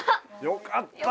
よかった。